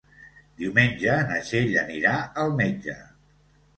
Diumenge na Txell anirà al metge.